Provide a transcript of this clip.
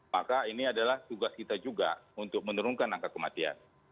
maka ini adalah tugas kita juga untuk menurunkan angka kematian